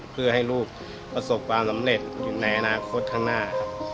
เพื่อให้ลูกประสบความสำเร็จในอนาคตข้างหน้าครับ